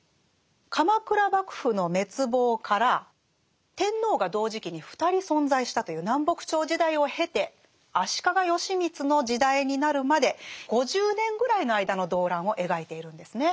鎌倉幕府の滅亡から天皇が同時期に２人存在したという南北朝時代を経て足利義満の時代になるまで５０年ぐらいの間の動乱を描いているんですね。